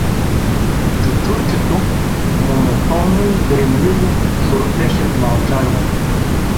Чучурчето монотонно и дремливо шуртеше в мълчанието.